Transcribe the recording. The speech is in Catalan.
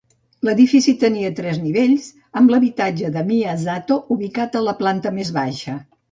L'edifici tenia tres nivells, amb l'habitatge de Miyazato ubicat a la planta més alta.